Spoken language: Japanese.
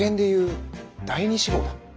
第二志望？